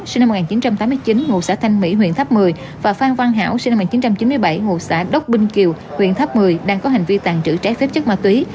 sinh năm một nghìn chín trăm tám mươi chín ngụ xã thanh mỹ huyện tháp một mươi và phan văn hảo sinh năm một nghìn chín trăm chín mươi bảy ngụ xã đốc binh kiều huyện tháp một mươi đang có hành vi tàn trữ trái phép chất ma túy